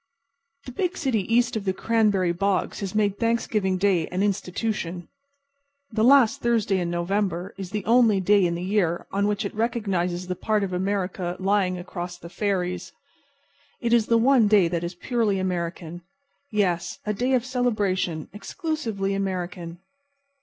The big city east of the cranberry bogs has made Thanksgiving Day an institution. The last Thursday in November is the only day in the year on which it recognizes the part of America lying across the ferries. It is the one day that is purely American. Yes, a day of celebration, exclusively American.